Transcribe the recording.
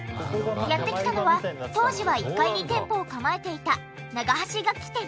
やって来たのは当時は１階に店舗を構えていたナガハシ楽器店。